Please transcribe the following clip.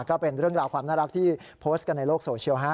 ก็เป็นเรื่องราวความน่ารักที่โพสต์กันในโลกโซเชียล